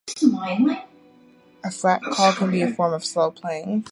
A flat call can be a form of slow playing.